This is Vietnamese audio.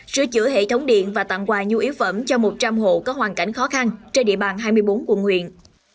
sửa chữa hệ thống điện và tặng quà nhu yếu phẩm cho một trăm linh hộ có hoàn cảnh khó khăn trên địa bàn hai mươi bốn quận huyện